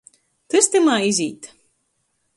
Tys tymā izīt!